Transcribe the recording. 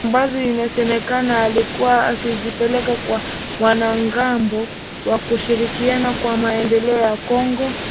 Ambazo inasemekana alikuwa akizipeleka kwa wanamgambo wa Ushirikiani kwa Maendeleo ya kongo katika mkoa wa Kobu.